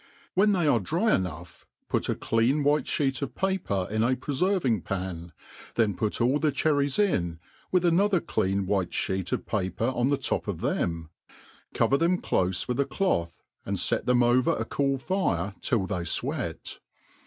Whcri they are dry enpogh, put a clean white j^eet of paper in a preferving pan,^4hen put all the cherries in^ with another clean white meet of paper on ^he top of them ; coyer them clofe with a cloth, and fet them over a cool fire till they fweat.